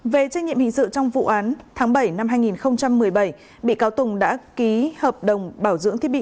về trách nhiệm hình sự trong vụ án tháng bảy năm hai nghìn một mươi bảy bị cáo tùng đã ký hợp đồng bảo dưỡng thiết bị